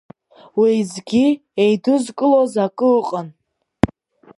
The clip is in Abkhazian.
Уеизгьы, еидызкылоз акы ыҟан…